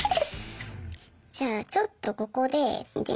じゃあちょっとここで見てみましょっか。